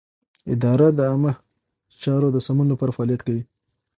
اداره د عامه چارو د سمون لپاره فعالیت کوي.